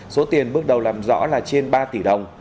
số tiền bước đầu làm rõ là trên ba tỷ đồng